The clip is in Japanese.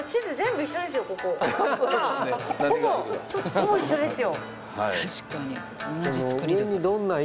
ほぼ一緒ですよ。